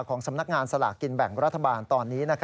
สำนักงานสลากกินแบ่งรัฐบาลตอนนี้